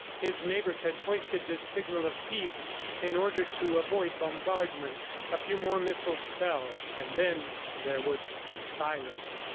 His neighbors had hoisted this signal of peace in order to avoid bombardment. A few more missiles fell and then there was silence.